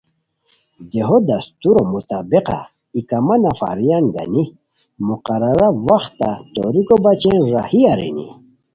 دیہو دستورو مطابقہ ای کما نفریان گانی مقررہ وختہ توریکو بچین راہی ارینی